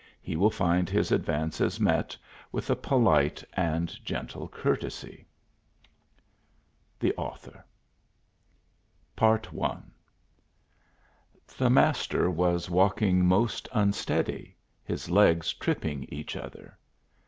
He will find his advances met with a polite and gentle courtesy. The Author. PART I The Master was walking most unsteady, his legs tripping each other.